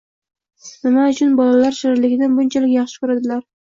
Nima uchun bolalar shirinlikni bunchalik yaxshi ko‘radilar?